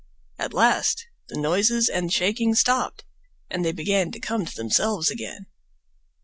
At last the noises and shaking stopped, and they began to come to themselves again.